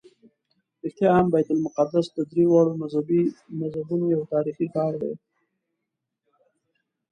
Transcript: رښتیا هم بیت المقدس د درېواړو مذهبونو یو تاریخي ښار دی.